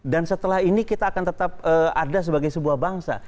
dan setelah ini kita akan tetap ada sebagai sebuah bangsa